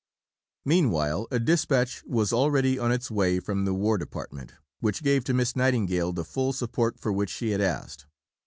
Vol. II. p. 195. Meanwhile a dispatch was already on its way from the War Department, which gave to Miss Nightingale the full support for which she had asked.